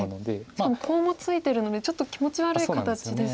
しかもコウもついてるのでちょっと気持ち悪い形ですよね。